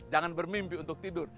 jangan bermimpi untuk tidur